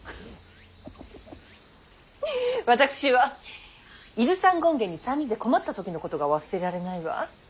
私は伊豆山権現に３人で籠もった時のことが忘れられないわ。